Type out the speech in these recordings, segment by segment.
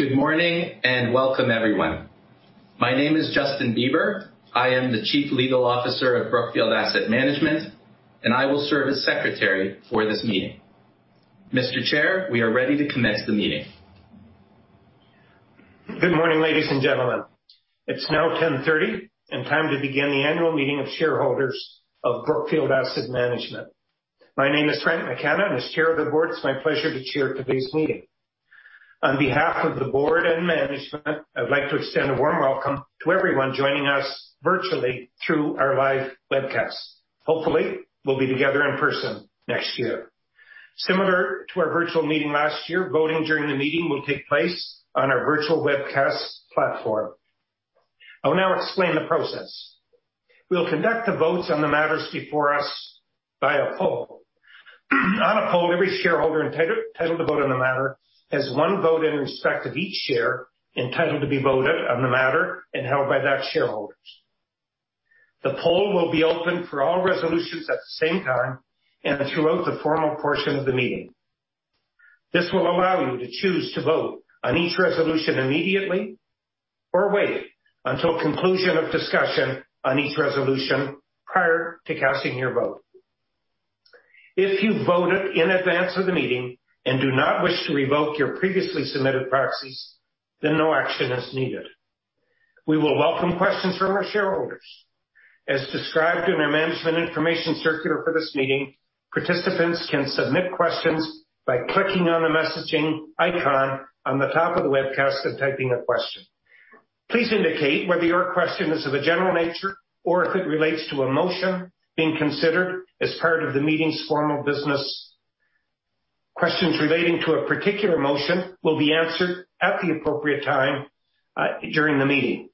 Good morning, and welcome everyone. My name is Justin Beber. I am the Chief Legal Officer of Brookfield Asset Management, and I will serve as secretary for this meeting. Mr. Chair, we are ready to commence the meeting. Good morning, ladies and gentlemen. It's now 10:30 and time to begin the annual meeting of shareholders of Brookfield Asset Management. My name is Frank McKenna. I'm Chair of the Board. It's my pleasure to Chair today's meeting. On behalf of the Board and management, I'd like to extend a warm welcome to everyone joining us virtually through our live webcast. Hopefully, we'll be together in person next year. Similar to our virtual meeting last year, voting during the meeting will take place on our virtual webcast platform. I will now explain the process. We'll conduct the votes on the matters before us by a poll. On a poll, every shareholder entitled to vote on the matter has one vote in respect of each share entitled to be voted on the matter and held by that shareholder. The poll will be open for all resolutions at the same time and throughout the formal portion of the meeting. This will allow you to choose to vote on each resolution immediately or wait until conclusion of discussion on each resolution prior to casting your vote. If you voted in advance of the meeting and do not wish to revoke your previously submitted proxies, then no action is needed. We will welcome questions from our shareholders. As described in our management information circular for this meeting, participants can submit questions by clicking on the messaging icon on the top of the webcast and typing a question. Please indicate whether your question is of a general nature or if it relates to a motion being considered as part of the meeting's formal business. Questions relating to a particular motion will be answered at the appropriate time during the meeting.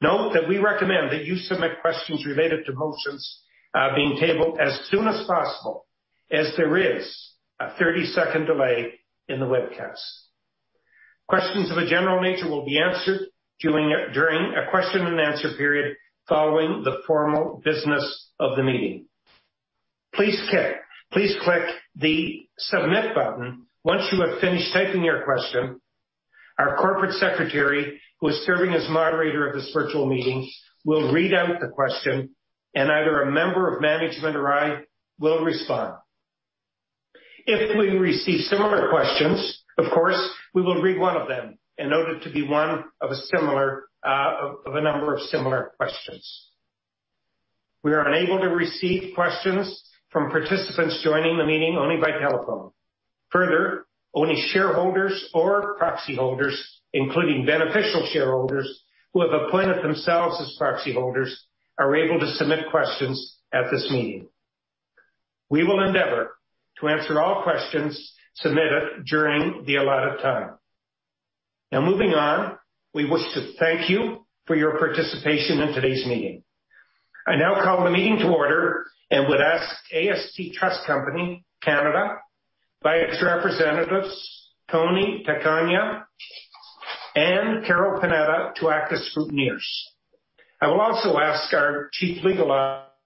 Note that we recommend that you submit questions related to motions being tabled as soon as possible, as there is a 30-second delay in the webcast. Questions of a general nature will be answered during a question and answer period following the formal business of the meeting. Please click the submit button once you have finished typing your question. Our corporate secretary, who is serving as moderator of this virtual meeting, will read out the question, and either a member of management or I will respond. If we receive similar questions, of course, we will read one of them and note it to be one of a number of similar questions. We are unable to receive questions from participants joining the meeting only by telephone. Further, only shareholders or proxy holders, including beneficial shareholders who have appointed themselves as proxy holders, are able to submit questions at this meeting. We will endeavor to answer all questions submitted during the allotted time. Moving on, we wish to thank you for your participation in today's meeting. I now call the meeting to order and would ask AST Trust Company (Canada) by its representatives, Tony Pecogna and Carol Panetta, to act as scrutineers. I will also ask our Chief Legal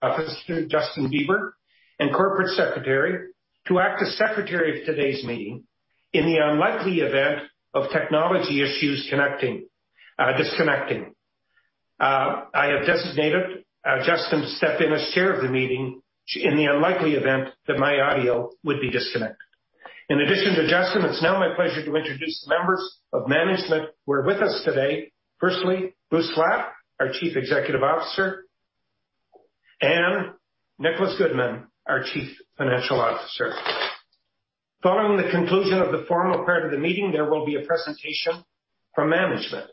Officer, Justin Beber, and Corporate Secretary to act as secretary of today's meeting. In the unlikely event of technology issues disconnecting, I have designated Justin to step in as Chair of the meeting in the unlikely event that my audio would be disconnected. In addition to Justin, it's now my pleasure to introduce members of management who are with us today. Firstly, Bruce Flatt, our Chief Executive Officer, and Nicholas Goodman, our Chief Financial Officer. Following the conclusion of the formal part of the meeting, there will be a presentation from management.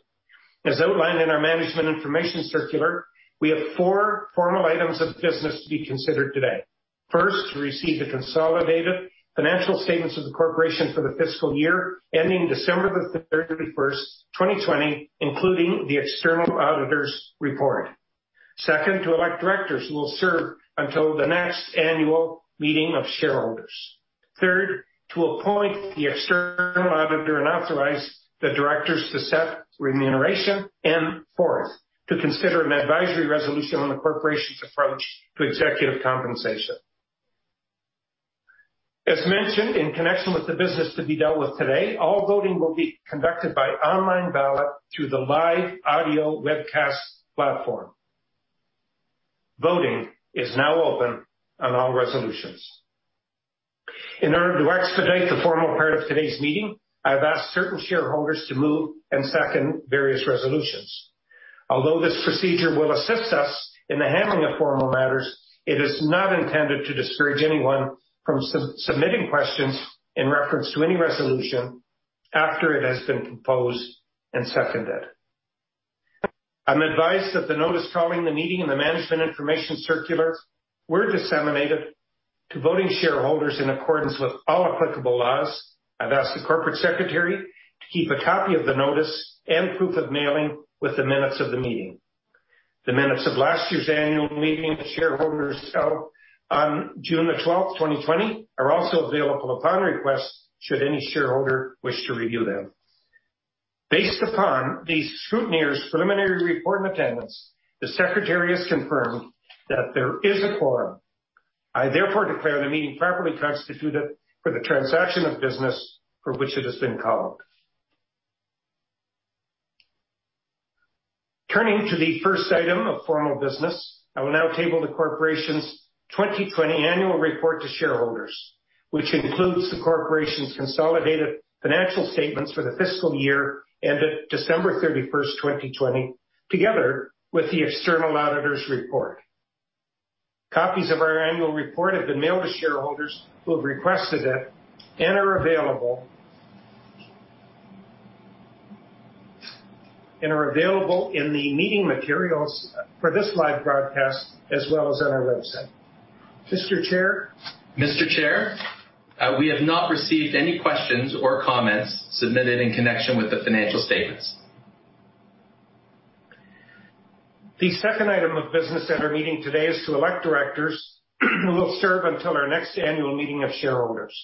As outlined in our management information circular, we have four formal items of business to be considered today. First, to receive the consolidated financial statements of the corporation for the fiscal year ending December the 31, 2020, including the external auditor's report. Second, to elect directors who will serve until the next annual meeting of shareholders. Third, to appoint the external auditor and authorize the directors to set remuneration, and fourth, to consider an advisory resolution on the corporation's approach to executive compensation. As mentioned, in connection with the business to be dealt with today, all voting will be conducted by online ballot through the live audio webcast platform. Voting is now open on all resolutions. In order to expedite the formal part of today's meeting, I've asked certain shareholders to move and second various resolutions. Although this procedure will assist us in the handling of formal matters, it is not intended to discourage anyone from submitting questions in reference to any resolution after it has been proposed and seconded. I'm advised that the notice calling the meeting and the management information circular were disseminated to voting shareholders in accordance with all applicable laws. I've asked the corporate secretary to keep a copy of the notice and proof of mailing with the minutes of the meeting. The minutes of last year's annual meeting of shareholders held on June 12, 2020, are also available upon request should any shareholder wish to review them. Based upon the scrutineers' preliminary report and attendance, the secretary has confirmed that there is a quorum. I therefore declare the meeting properly constituted for the transaction of business for which it has been called. Turning to the first item of formal business, I will now table the corporation's 2020 annual report to shareholders, which includes the corporation's consolidated financial statements for the fiscal year ended December 31, 2020, together with the external auditor's report. Copies of our annual report have been mailed to shareholders who have requested it and are available in the meeting materials for this live broadcast as well as on our website. Mr. Chair, we have not received any questions or comments submitted in connection with the financial statements. The second item of business at our meeting today is to elect directors who will serve until our next annual meeting of shareholders.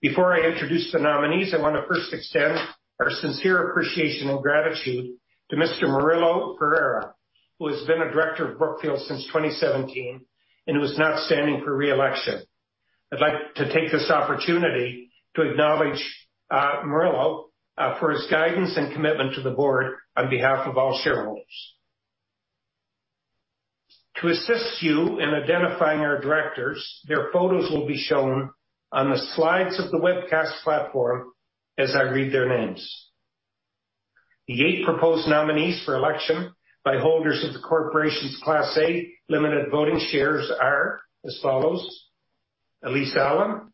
Before I introduce the nominees, I want to first extend our sincere appreciation and gratitude to Mr. Murilo Ferreira, who has been a director of Brookfield since 2017 and who is not standing for re-election. I'd like to take this opportunity to acknowledge Murilo for his guidance and commitment to the board on behalf of all shareholders. To assist you in identifying our directors, their photos will be shown on the slides of the webcast platform as I read their names. The eight proposed nominees for election by holders of the corporation's Class A Limited Voting Shares are as follows: M. Elyse Allan,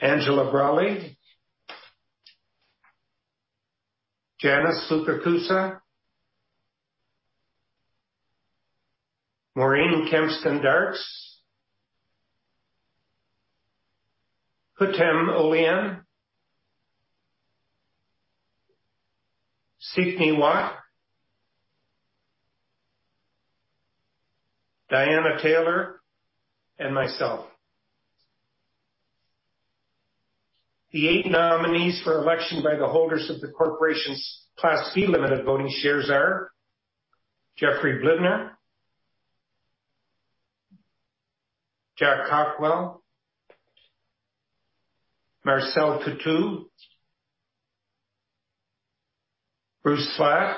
Angela Braly, Janice Fukakusa, Maureen Kempston Darkes, Hutham Olayan, Seek Ngee Huat, Diana Taylor, and myself. The eight nominees for election by the holders of the corporation's Class B Limited Voting Shares are: Jeffrey Blidner, Jack Cockwell, Marcel Coutu, Bruce Flatt,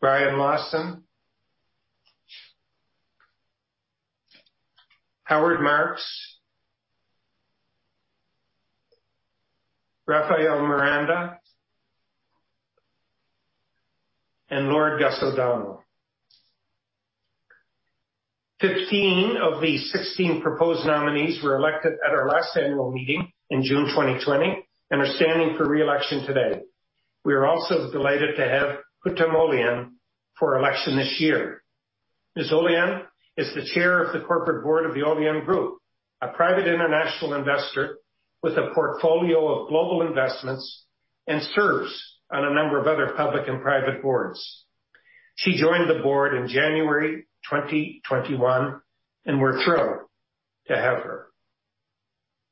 Brian Lawson, Howard Marks, Rafael Miranda, and Lord O'Donnell. 15 of the 16 proposed nominees were elected at our last annual meeting in June 2020 and are standing for re-election today. We are also delighted to have Hutham Olayan for election this year. Ms. Olayan is the Chair of the corporate board of the Olayan Group, a private international investor with a portfolio of global investments and serves on a number of other public and private boards. She joined the board in January 2021, and we're thrilled to have her.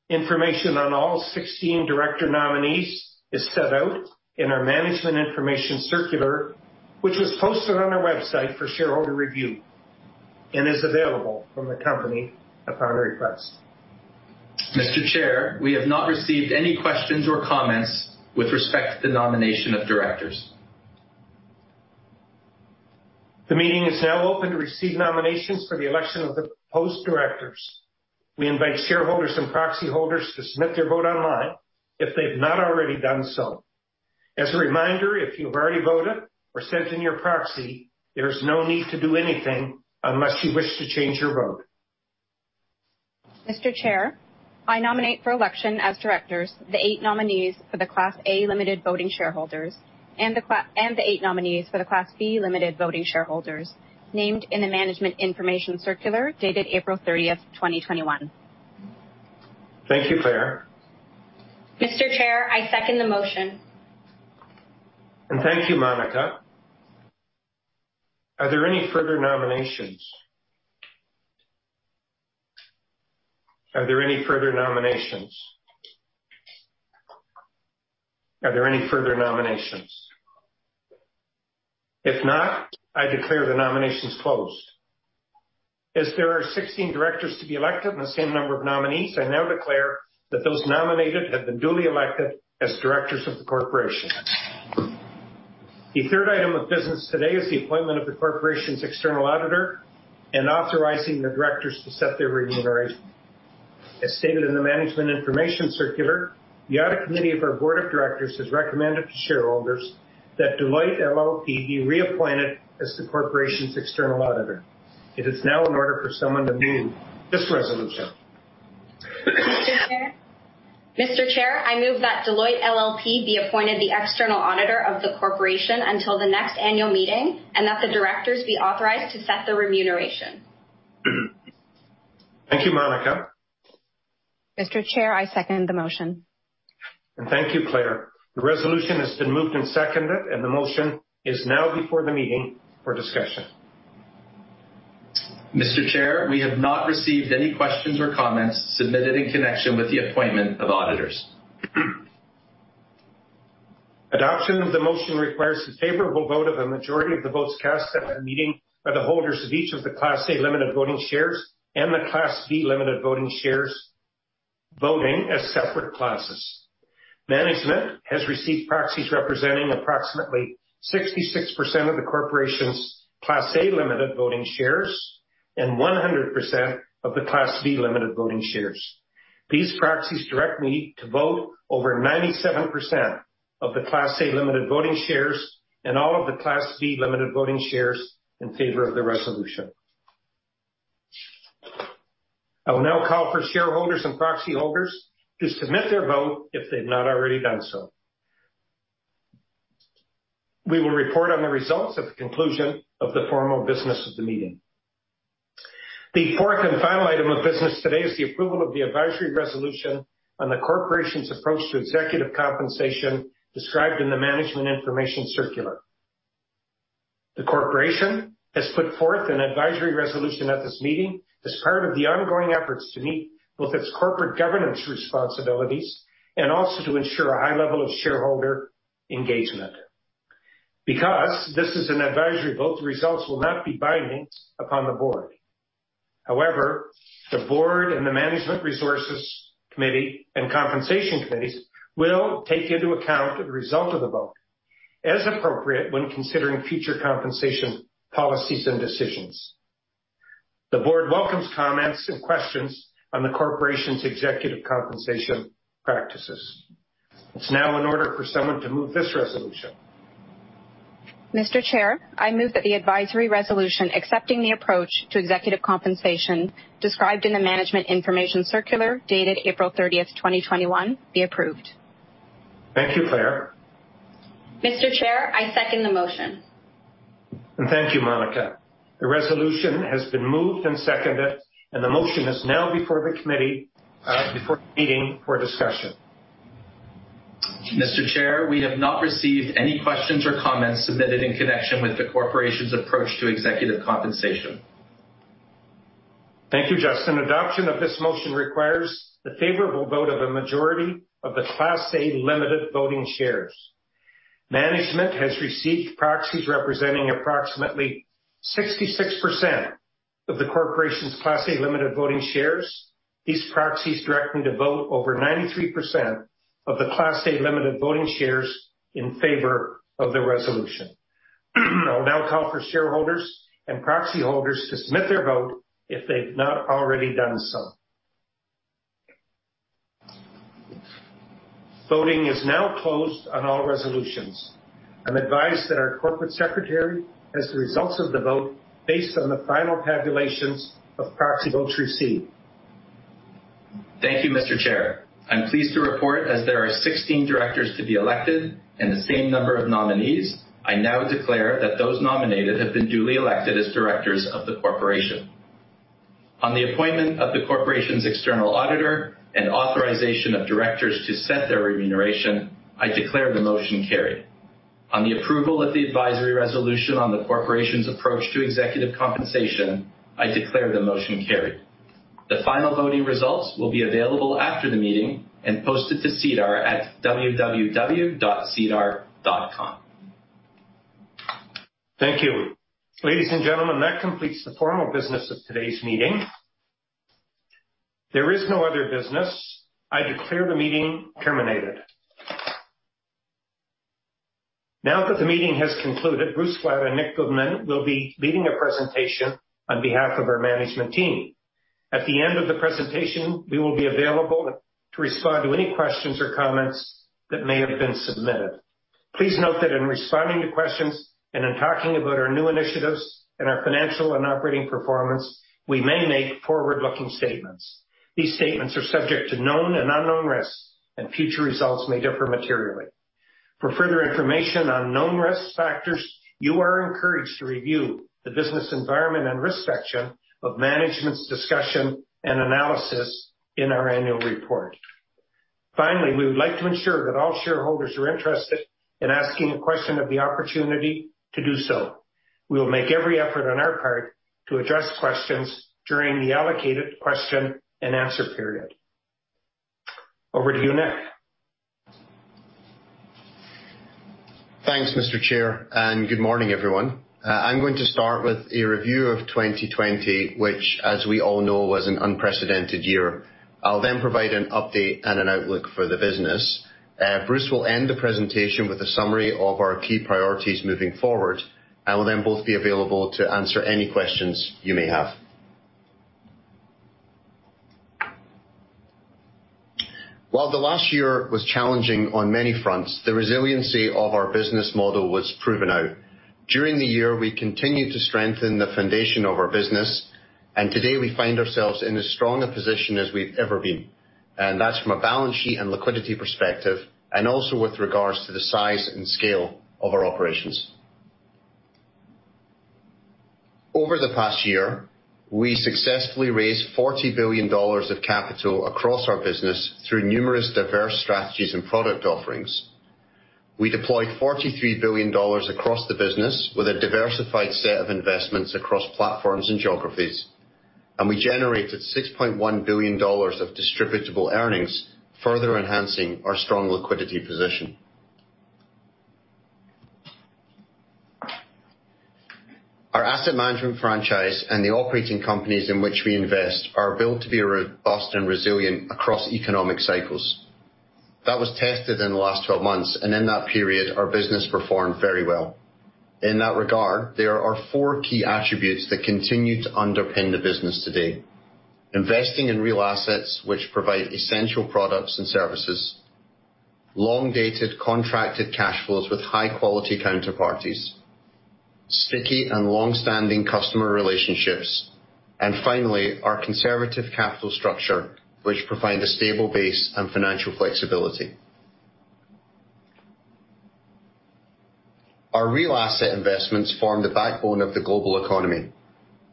Information on all 16 director nominees is set out in our management information circular, which was posted on our website for shareholder review and is available from the company upon request. Mr. Chair, we have not received any questions or comments with respect to the nomination of directors. The meeting is now open to receive nominations for the election of the proposed directors. We invite shareholders and proxy holders to submit their vote online if they've not already done so. As a reminder, if you've already voted or sent in your proxy, there is no need to do anything unless you wish to change your vote. Mr. Chair, I nominate for election as directors the eight nominees for the Class A Limited Voting Shareholders and the eight nominees for the Class C Limited Voting Shareholders named in the management information circular dated April 30, 2021. Thank you, Claire. Mr. Chair, I second the motion. Thank you, Monica. Are there any further nominations? Are there any further nominations? Are there any further nominations? If not, I declare the nominations closed. As there are 16 directors to be elected and the same number of nominees, I now declare that those nominated have been duly elected as directors of the corporation. The third item of business today is the appointment of the corporation's external auditor and authorizing the directors to set their remuneration. As stated in the management information circular, the audit committee of our board of directors has recommended to shareholders that Deloitte LLP be reappointed as the corporation's external auditor. It is now in order for someone to move this resolution. Mr. Chair, I move that Deloitte LLP be appointed the external auditor of the corporation until the next annual meeting, and that the directors be authorized to set the remuneration. Thank you, Monica. Mr. Chair, I second the motion. Thank you, Claire. The resolution has been moved and seconded, and the motion is now before the meeting for discussion. Mr. Chair, we have not received any questions or comments submitted in connection with the appointment of auditors. Adoption of the motion requires the favorable vote of a majority of the votes cast at the meeting by the holders of each of the Class A Limited Voting Shares and the Class B Limited Voting Shares, voting as separate classes. Management has received proxies representing approximately 66% of the corporation's Class A Limited Voting Shares and 100% of the Class B Limited Voting Shares. These proxies direct me to vote over 97% of the Class A Limited Voting Shares and all of the Class B Limited Voting Shares in favor of the resolution. I will now call for shareholders and proxy holders to submit their vote if they've not already done so. We will report on the results at the conclusion of the formal business of the meeting. The fourth and final item of business today is the approval of the advisory resolution on the Corporation's approach to executive compensation described in the management information circular. The Corporation has put forth an advisory resolution at this meeting as part of the ongoing efforts to meet both its corporate governance responsibilities and also to ensure a high level of shareholder engagement. Because this is an advisory vote, the results will not be binding upon the Board. However, the Board and the Management Resources and Compensation Committee will take into account the result of the vote as appropriate when considering future compensation policies and decisions. The board welcomes comments and questions on the corporation's executive compensation practices. It's now in order for someone to move this resolution. Mr. Chair, I move that the advisory resolution accepting the approach to executive compensation described in the management information circular dated April 30, 2021, be approved. Thank you, Claire. Mr. Chair, I second the motion. Thank you, Monica. The resolution has been moved and seconded, and the motion is now before the committee, before the meeting for discussion. Mr. Chair, we have not received any questions or comments submitted in connection with the corporation's approach to executive compensation. Thank you, Justin. Adoption of this motion requires the favorable vote of a majority of the Class A Limited Voting Shares. Management has received proxies representing approximately 66% of the Corporation's Class A Limited Voting Shares. These proxies direct me to vote over 93% of the Class A Limited Voting Shares in favor of the resolution. I will now call for shareholders and proxy holders to submit their vote if they've not already done so. Voting is now closed on all resolutions. I'm advised that our Corporate Secretary has the results of the vote based on the final tabulations of proxy votes received. Thank you, Mr. Chair. I'm pleased to report, as there are 16 directors to be elected and the same number of nominees, I now declare that those nominated have been duly elected as directors of the corporation. On the appointment of the corporation's external auditor and authorization of directors to set their remuneration, I declare the motion carried. On the approval of the advisory resolution on the corporation's approach to executive compensation, I declare the motion carried. The final voting results will be available after the meeting and posted to SEDAR at www.sedar.com. Thank you. Ladies and gentlemen, that completes the formal business of today's meeting. There is no other business. I declare the meeting terminated. Now that the meeting has concluded, Bruce Flatt and Nicholas Goodman will be leading a presentation on behalf of our management team. At the end of the presentation, we will be available to respond to any questions or comments that may have been submitted. Please note that in responding to questions and in talking about our new initiatives and our financial and operating performance, we may make forward-looking statements. These statements are subject to known and unknown risks, and future results may differ materially. For further information on known risk factors, you are encouraged to review the business environment and risk section of management's discussion and analysis in our annual report. Finally, we would like to ensure that all shareholders are interested in asking a question have the opportunity to do so. We will make every effort on our part to address questions during the allocated question and answer period. Over to you, Nick. Thanks, Mr. Chair, good morning, everyone. I'm going to start with a review of 2020, which, as we all know, was an unprecedented year. I'll then provide an update and an outlook for the business. Bruce will end the presentation with a summary of our key priorities moving forward, and we'll then both be available to answer any questions you may have. While the last year was challenging on many fronts, the resiliency of our business model was proven out. During the year, we continued to strengthen the foundation of our business, and today we find ourselves in as strong a position as we've ever been. That's from a balance sheet and liquidity perspective, and also with regards to the size and scale of our operations. Over the past year, we successfully raised $40 billion of capital across our business through numerous diverse strategies and product offerings. We deployed $43 billion across the business with a diversified set of investments across platforms and geographies, and we generated $6.1 billion of distributable earnings, further enhancing our strong liquidity position. Our asset management franchise and the operating companies in which we invest are built to be robust and resilient across economic cycles. That was tested in the last 12 months, and in that period, our business performed very well. In that regard, there are four key attributes that continue to underpin the business today. Investing in real assets which provide essential products and services. Long-dated contracted cash flows with high-quality counterparties. Sticky and long-standing customer relationships. Finally, our conservative capital structure, which provides a stable base and financial flexibility. Our real asset investments form the backbone of the global economy.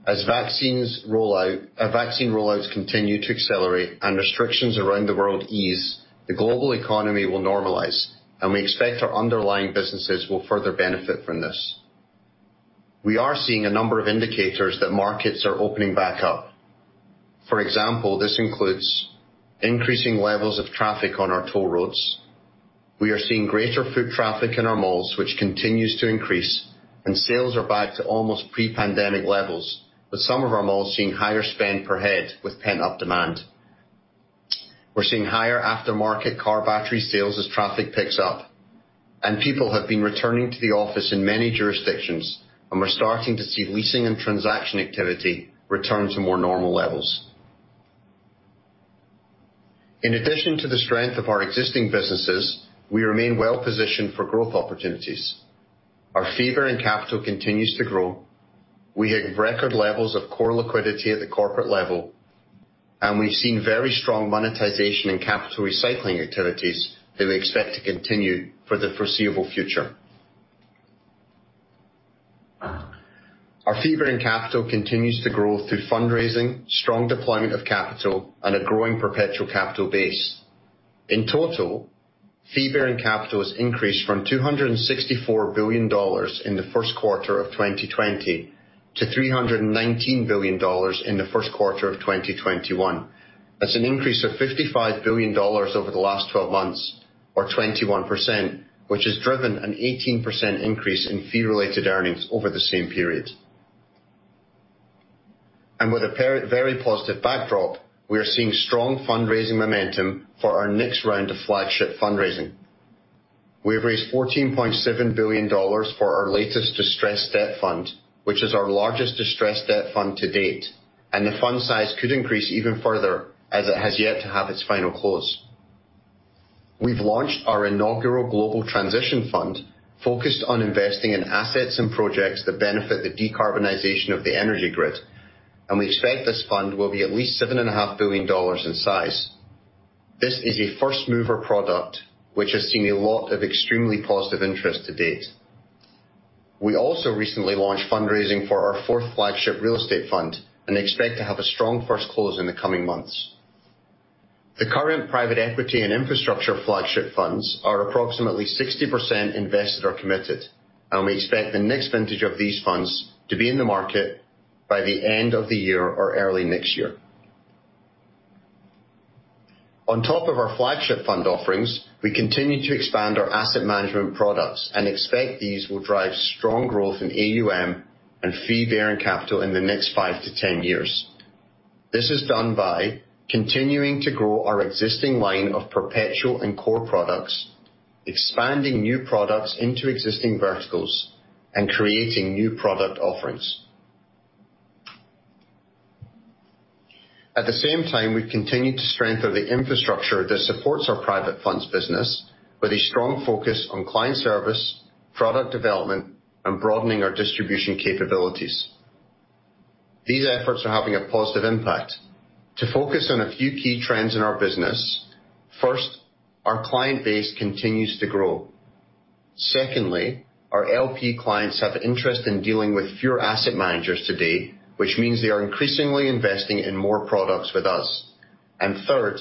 As vaccine rollouts continue to accelerate and restrictions around the world ease, the global economy will normalize, and we expect our underlying businesses will further benefit from this. We are seeing a number of indicators that markets are opening back up. For example, this includes increasing levels of traffic on our toll roads. We are seeing greater foot traffic in our malls, which continues to increase, and sales are back to almost pre-pandemic levels, with some of our malls seeing higher spend per head with pent-up demand. We're seeing higher aftermarket car battery sales as traffic picks up, and people have been returning to the office in many jurisdictions, and we're starting to see leasing and transaction activity return to more normal levels. In addition to the strength of our existing businesses, we remain well-positioned for growth opportunities. Our fee-bearing capital continues to grow. We have record levels of core liquidity at the corporate level, we've seen very strong monetization in capital recycling activities that we expect to continue for the foreseeable future. Our fee-bearing capital continues to grow through fundraising, strong deployment of capital, and a growing perpetual capital base. In total, fee-bearing capital has increased from $264 billion in the first quarter of 2020 to $319 billion in the first quarter of 2021. That's an increase of $55 billion over the last 12 months or 21%, which has driven an 18% increase in fee-related earnings over the same period. With a very positive backdrop, we are seeing strong fundraising momentum for our next round of flagship fundraising. We have raised $14.7 billion for our latest distressed debt fund, which is our largest distressed debt fund to date, and the fund size could increase even further as it has yet to have its final close. We've launched our inaugural Global Transition Fund, focused on investing in assets and projects that benefit the decarbonization of the energy grid, and we expect this fund will be at least $7.5 billion in size. This is a first-mover product, which has seen a lot of extremely positive interest to date. We also recently launched fundraising for our fourth flagship real estate fund and expect to have a strong first close in the coming months. The current private equity and infrastructure flagship funds are approximately 60% invested or committed, and we expect the next vintage of these funds to be in the market by the end of the year or early next year. On top of our flagship fund offerings, we continue to expand our asset management products and expect these will drive strong growth in AUM and fee-bearing capital in the next 5 to 10 years. This is done by continuing to grow our existing line of perpetual and core products, expanding new products into existing verticals, and creating new product offerings. At the same time, we continue to strengthen the infrastructure that supports our private funds business with a strong focus on client service, product development, and broadening our distribution capabilities. These efforts are having a positive impact. To focus on a few key trends in our business, first, our client base continues to grow. Secondly, our LP clients have interest in dealing with fewer asset managers today, which means they are increasingly investing in more products with us. Third,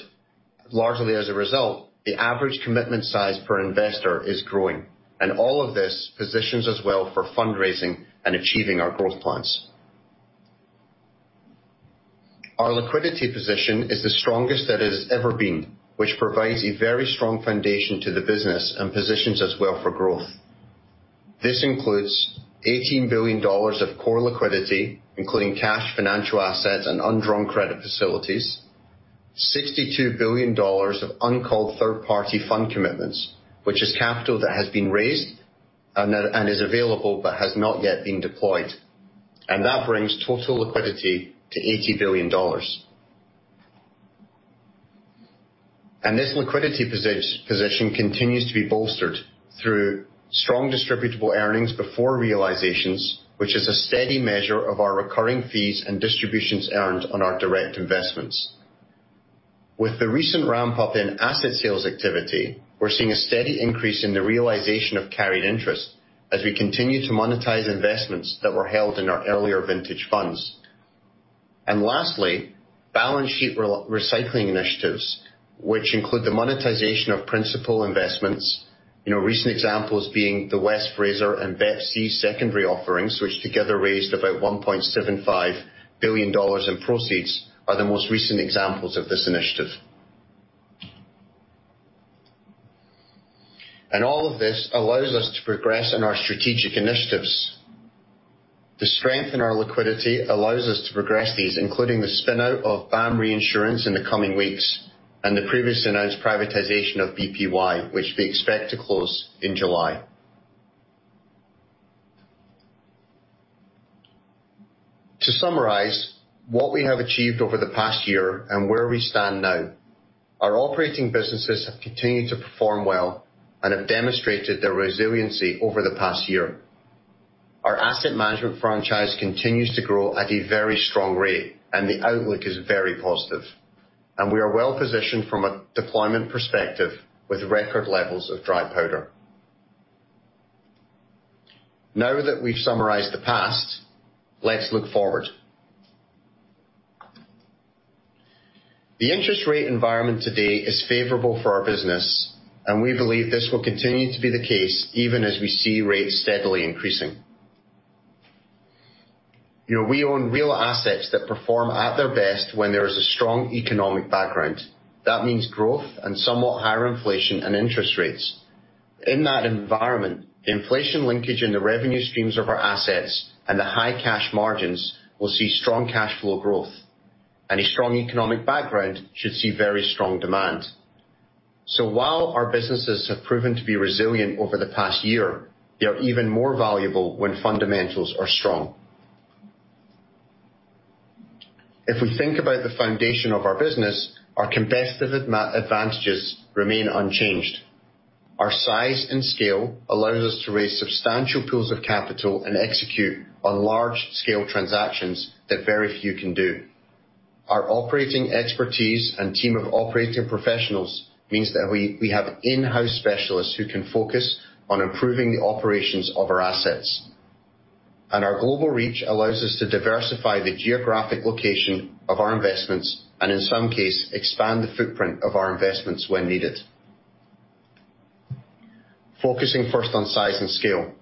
largely as a result, the average commitment size per investor is growing. All of this positions us well for fundraising and achieving our growth plans. Our liquidity position is the strongest that it has ever been, which provides a very strong foundation to the business and positions us well for growth. This includes $18 billion of core liquidity, including cash, financial assets, and undrawn credit facilities. $62 billion of uncalled third-party fund commitments, which is capital that has been raised and is available but has not yet been deployed. That brings total liquidity to $80 billion. This liquidity position continues to be bolstered through strong distributable earnings before realizations, which is a steady measure of our recurring fees and distributions earned on our direct investments. With the recent ramp-up in asset sales activity, we're seeing a steady increase in the realization of carried interest as we continue to monetize investments that were held in our earlier vintage funds. Lastly, balance sheet recycling initiatives, which include the monetization of principal investments. Recent examples being the West Fraser and BEPC secondary offerings, which together raised about $1.75 billion in proceeds, are the most recent examples of this initiative. All of this allows us to progress in our strategic initiatives. The strength in our liquidity allows us to progress these, including the spinout of BAM Reinsurance in the coming weeks, and the previously announced privatization of BPY, which we expect to close in July. To summarize what we have achieved over the past year and where we stand now, our operating businesses have continued to perform well and have demonstrated their resiliency over the past year. Our asset management franchise continues to grow at a very strong rate and the outlook is very positive. We are well-positioned from a deployment perspective with record levels of dry powder. Now that we've summarized the past, let's look forward. The interest rate environment today is favorable for our business, and we believe this will continue to be the case even as we see rates steadily increasing. We own real assets that perform at their best when there is a strong economic background. That means growth and somewhat higher inflation and interest rates. In that environment, the inflation linkage in the revenue streams of our assets and the high cash margins will see strong cash flow growth. A strong economic background should see very strong demand. While our businesses have proven to be resilient over the past year, they are even more valuable when fundamentals are strong. If we think about the foundation of our business, our competitive advantages remain unchanged. Our size and scale allows us to raise substantial pools of capital and execute on large-scale transactions that very few can do. Our operating expertise and team of operating professionals means that we have in-house specialists who can focus on improving the operations of our assets. Our global reach allows us to diversify the geographic location of our investments, and in some cases, expand the footprint of our investments when needed. Focusing first on size and scale.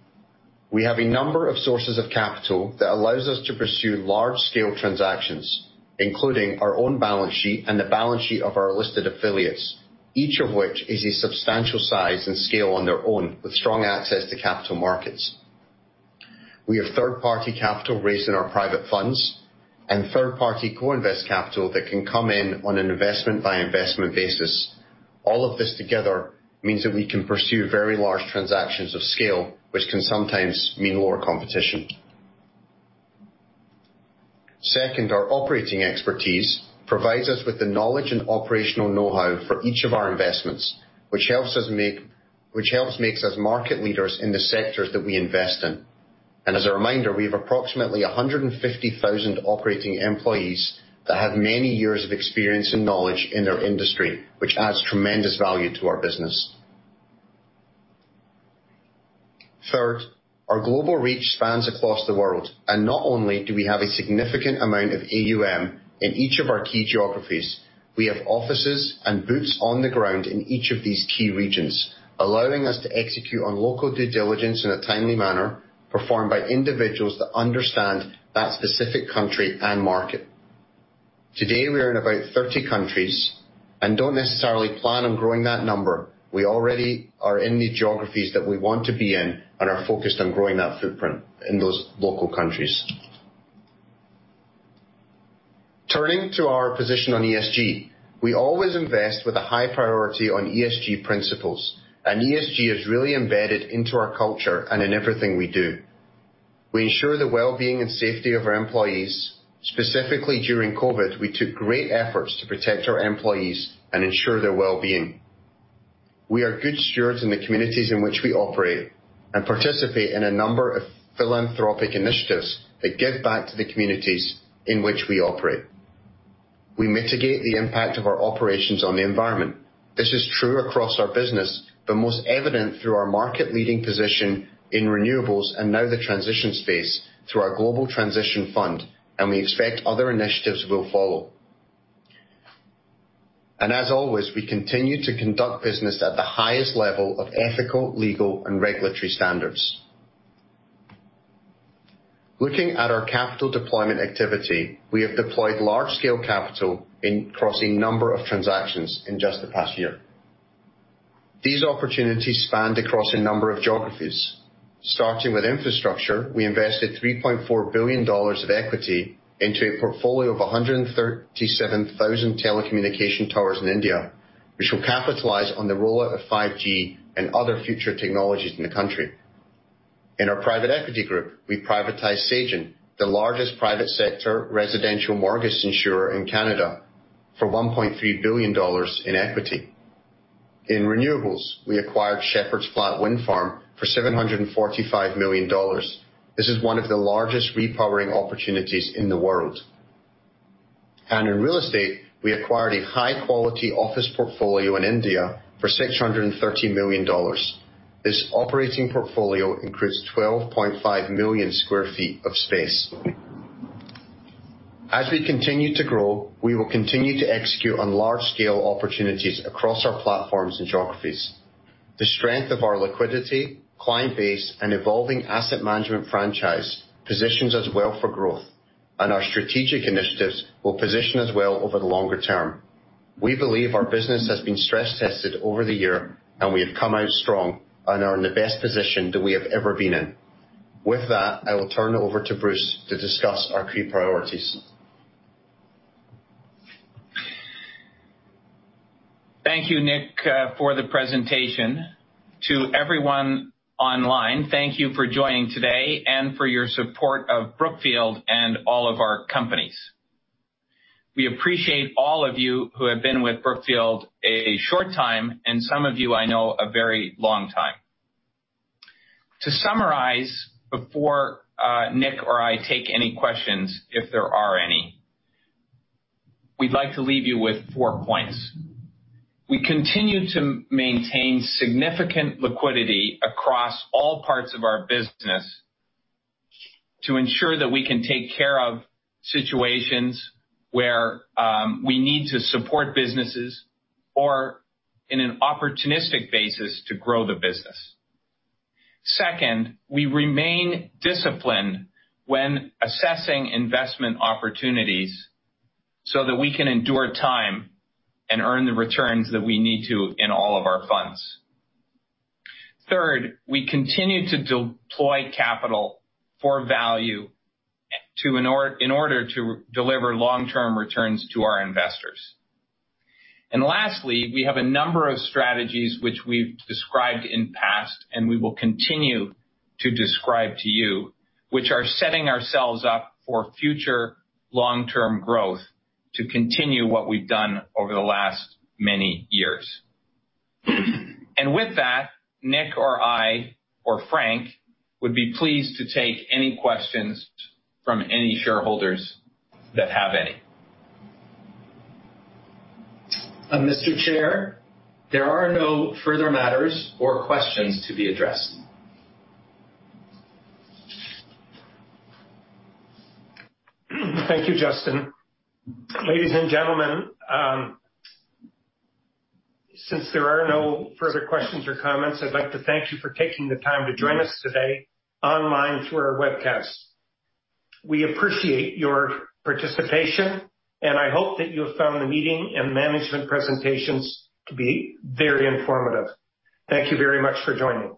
We have a number of sources of capital that allows us to pursue large-scale transactions, including our own balance sheet and the balance sheet of our listed affiliates, each of which is a substantial size and scale on their own with strong access to capital markets. We have third-party capital raised in our private funds, and third-party co-invest capital that can come in on an investment by investment basis. All of this together means that we can pursue very large transactions of scale, which can sometimes mean lower competition. Second, our operating expertise provides us with the knowledge and operational know-how for each of our investments, which helps makes us market leaders in the sectors that we invest in. As a reminder, we have approximately 150,000 operating employees that have many years of experience and knowledge in their industry, which adds tremendous value to our business. Third, our global reach spans across the world, and not only do we have a significant amount of AUM in each of our key geographies, we have offices and boots on the ground in each of these key regions, allowing us to execute on local due diligence in a timely manner, performed by individuals that understand that specific country and market. Today, we are in about 30 countries and don't necessarily plan on growing that number. We already are in the geographies that we want to be in and are focused on growing that footprint in those local countries. Turning to our position on ESG. We always invest with a high priority on ESG principles, and ESG is really embedded into our culture and in everything we do. We ensure the well-being and safety of our employees. Specifically, during COVID, we took great efforts to protect our employees and ensure their well-being. We are good stewards in the communities in which we operate and participate in a number of philanthropic initiatives that give back to the communities in which we operate. We mitigate the impact of our operations on the environment. This is true across our business, but most evident through our market-leading position in renewables and now the transition space through our Global Transition Fund, and we expect other initiatives will follow. As always, we continue to conduct business at the highest level of ethical, legal, and regulatory standards. Looking at our capital deployment activity, we have deployed large-scale capital across a number of transactions in just the past year. These opportunities spanned across a number of geographies. Starting with infrastructure, we invested $3.4 billion of equity into a portfolio of 137,000 telecommunication towers in India, which will capitalize on the rollout of 5G and other future technologies in the country. In our private equity group, we privatized Sagen, the largest private sector residential mortgage insurer in Canada, for $1.3 billion in equity. In renewables, we acquired Shepherds Flat Wind Farm for $745 million. This is one of the largest repowering opportunities in the world. In real estate, we acquired a high-quality office portfolio in India for $630 million. This operating portfolio increased 12.5 million sq ft of space. As we continue to grow, we will continue to execute on large-scale opportunities across our platforms and geographies. The strength of our liquidity, client base, and evolving asset management franchise positions us well for growth. Our strategic initiatives will position us well over the longer term. We believe our business has been stress-tested over the year, and we have come out strong and are in the best position that we have ever been in. With that, I will turn it over to Bruce to discuss our key priorities. Thank you, Nick, for the presentation. To everyone online, thank you for joining today and for your support of Brookfield and all of our companies. We appreciate all of you who have been with Brookfield a short time, and some of you I know a very long time. To summarize, before Nick or I take any questions, if there are any, we'd like to leave you with four points. We continue to maintain significant liquidity across all parts of our business to ensure that we can take care of situations where we need to support businesses or in an opportunistic basis to grow the business. Second, we remain disciplined when assessing investment opportunities so that we can endure time and earn the returns that we need to in all of our funds. Third, we continue to deploy capital for value in order to deliver long-term returns to our investors. Lastly, we have a number of strategies which we've described in past, and we will continue to describe to you, which are setting ourselves up for future long-term growth to continue what we've done over the last many years. With that, Nick or I or Frank would be pleased to take any questions from any shareholders that have any. Mr. Chair, there are no further matters or questions to be addressed. Thank you, Justin. Ladies and gentlemen, since there are no further questions or comments, I'd like to thank you for taking the time to join us today online through our webcast. We appreciate your participation, and I hope that you found the meeting and management presentations to be very informative. Thank you very much for joining.